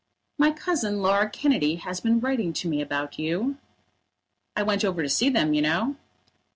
"My cousin, Laura Kennedy, has been writing to me about you." "I went over to see them, you know."